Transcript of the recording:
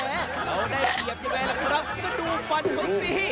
และเขาได้เปรียบยังไงล่ะครับก็ดูฟันเขาสิ